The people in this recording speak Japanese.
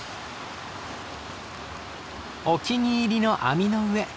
お気に入りの網の上。